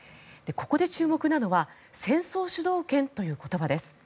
ここで注目なのは戦争主導権という言葉です。